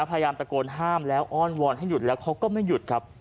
พยายามตะโกนห้ามแล้วอ้อนวอนให้หยุดแล้วเขาก็ไม่หยุดครับ